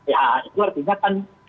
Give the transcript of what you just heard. ya itu artinya kan